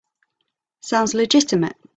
Sounds legitimate.